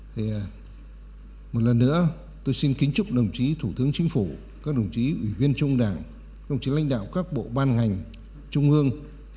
thì một lần nữa tôi xin kính chúc đồng chí thủ tướng chính phủ các đồng chí ủy viên trung đảng đồng chí lãnh đạo các bộ ban ngành trung ương